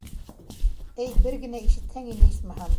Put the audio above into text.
Эй, бер генә ишетһәң ине, исмаһам.